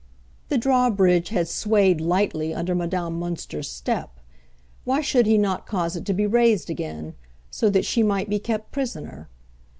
The draw bridge had swayed lightly under Madame Münster's step; why should he not cause it to be raised again, so that she might be kept prisoner?